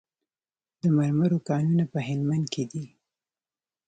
د مرمرو کانونه په هلمند کې دي